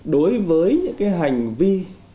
đối với những cái hành vi